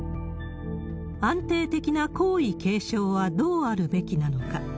安定的な皇位継承はどうあるべきなのか。